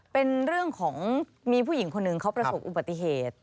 เป็นเรื่องของมีผู้หญิงคนหนึ่งเขาประสบอุบัติเหตุ